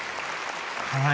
はい。